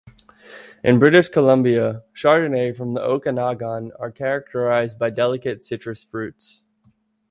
In British Columbia, Chardonnay from the Okanagan are characterized by delicate citrus fruits.